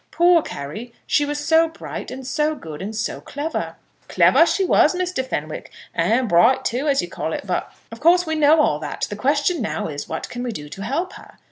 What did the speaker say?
Poor Carry; she was so bright, and so good and so clever!" "Clever she was, Mr. Fenwick; and bright, too, as you call it. But " "Of course we know all that. The question now is, what can we do to help her?